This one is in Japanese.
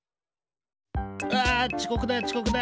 うわちこくだちこくだ！